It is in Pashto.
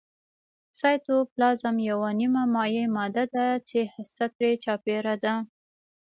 سایتوپلازم یوه نیمه مایع ماده ده چې هسته ترې چاپیره ده